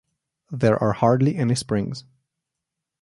There are hardly any springs.